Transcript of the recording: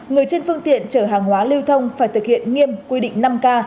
người trên phương tiện chở hàng hóa lưu thông phải thực hiện nghiêm quy định năm k